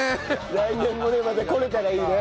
来年もねまた来れたらいいね。